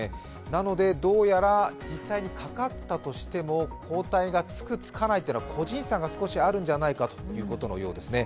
なので、どうやら実際にかかったとしても、抗体がつく、つかないというのは個人差が少しあるんじゃないかということなんですね。